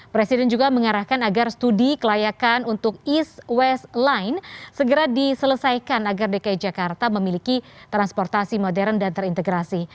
presiden juga mengarahkan agar studi kelayakan untuk east west line segera diselesaikan agar dki jakarta memiliki transportasi modern dan terintegrasi